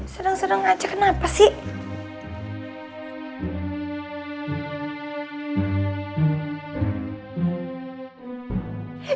sedang sedang aja kenapa sih